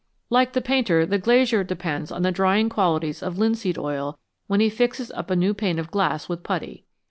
Like the painter, the glazier depends on the drying qualities of linseed oil when he fixes up a new pane of glass with putty.